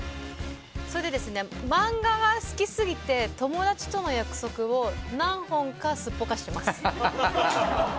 マンガは好きすぎて友達との約束を何本かすっぽかしています。